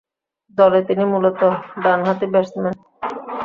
দলে তিনি মূলতঃ ডানহাতি ব্যাটসম্যান।